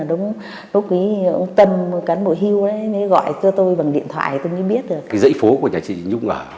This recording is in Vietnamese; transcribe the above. ông đỗ đình tiệp bước đầu xác nhận